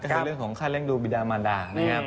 ก็คือเรื่องของค่าเลี้ยดูบิดามันดานะครับ